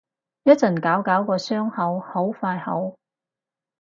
一陣搞搞個傷口，好快好